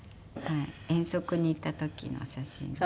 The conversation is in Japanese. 遠足に行った時の写真です。